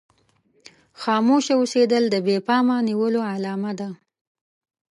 خاموشه اوسېدل د بې پامه نيولو علامه ده.